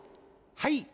はい。